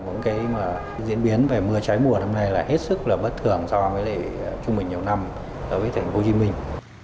nhiên tục thì đấy là một cái diễn biến về mưa trái mùa năm nay là hết sức là bất thường so với lệ trung bình nhiều năm ở thành phố hồ chí minh